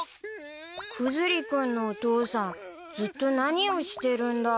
クズリ君のお父さんずっと何をしてるんだろう？